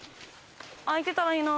開いてたらいいな。